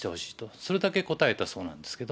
それだけ答えたそうなんですけど。